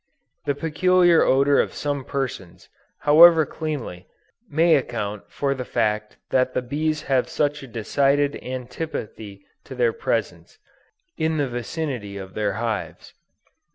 The peculiar odor of some persons, however cleanly, may account for the fact that the bees have such a decided antipathy to their presence, in the vicinity of their hives.